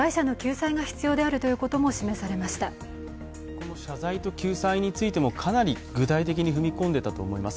この謝罪と救済についても、かなり具体的に踏み込んでいたと思います。